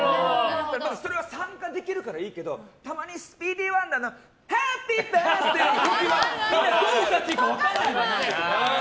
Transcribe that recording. それは参加できるからいいけどたまに、スピーディーワンダーのハッピバースデー！っていうやつみんなどう歌っていいか分からないのよ。